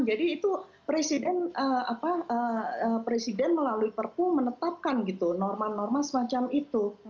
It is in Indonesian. jadi itu presiden melalui perpu menetapkan norma norma semacam itu